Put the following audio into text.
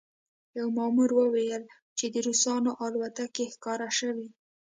یوه مامور وویل چې د روسانو الوتکې ښکاره شوې